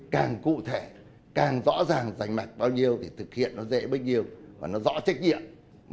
càng cụ thể càng rõ ràng rành mạch bao nhiêu thì thực hiện nó dễ bấy nhiêu và nó rõ trách nhiệm